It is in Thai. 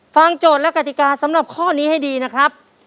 โจทย์และกติกาสำหรับข้อนี้ให้ดีนะครับ